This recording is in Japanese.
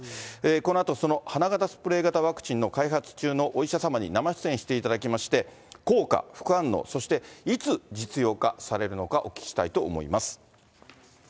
このあと、その鼻型スプレー型ワクチンの開発中のお医者様に生出演していただきまして、効果、副反応、そしていつ実用化されるのかお聞きしたいと思います。